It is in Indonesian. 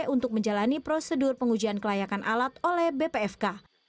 untuk menjalani prosedur pengujian kelayakan alat oleh bpfk